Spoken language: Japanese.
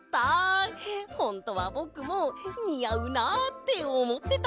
ほんとはぼくもにあうなあっておもってたんだ！